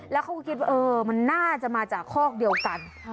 แล้วเขาก็คิดว่าเออมันน่าจะมาจากคอกเดียวกัน